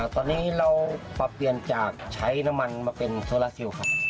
ตอนนี้เราปรับเปลี่ยนจากใช้น้ำมันมาเป็นโซลาซิลครับ